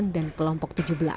dan kelompok tujuh belas